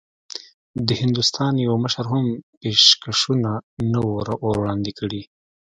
د هندوستان یوه مشر هم پېشکشونه نه وو وړاندي کړي.